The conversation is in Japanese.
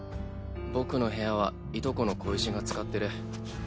僕の部屋はいとこの小石が使ってる。